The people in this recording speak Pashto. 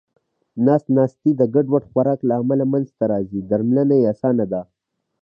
نس ناستی د ګډوډ خوراک له امله منځته راځې درملنه یې اسانه ده